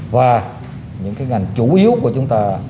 và những cái ngành chủ yếu của chúng ta